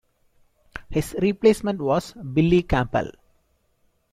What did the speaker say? His replacement was Billy Campbell.